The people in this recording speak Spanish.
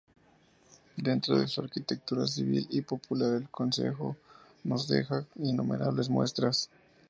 Dentro de su arquitectura civil y popular el concejo nos deja innumerables muestras.